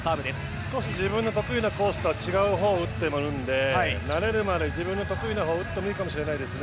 少し自分の得意なコースとは違うほうを打っているので慣れるまで自分の得意なほうを打ってもいいかもしれないですね。